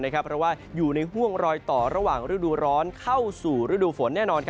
เพราะว่าอยู่ในห่วงรอยต่อระหว่างฤดูร้อนเข้าสู่ฤดูฝนแน่นอน